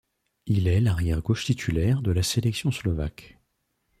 Il est l'arrière gauche titulaire de la sélection slovaque.